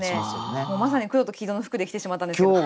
もうまさに黒と黄色の服で来てしまったんですけど。